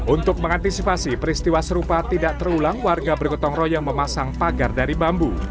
untuk mengantisipasi peristiwa serupa tidak terulang warga bergotong royong memasang pagar dari bambu